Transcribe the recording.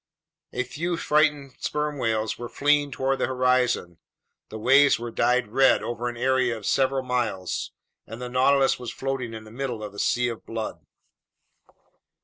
A few frightened sperm whales were fleeing toward the horizon. The waves were dyed red over an area of several miles, and the Nautilus was floating in the middle of a sea of blood.